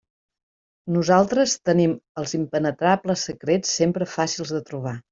Nosaltres tenim els impenetrables secrets sempre fàcils de trobar.